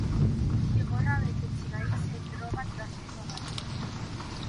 Zigorra betetzen ari zen droga trafikoagatik.